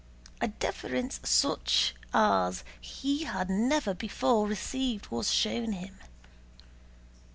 A deference such as he had never before received was shown him.